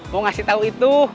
mau ngasih tahu itu